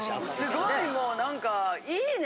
すごいもうなんかいいね！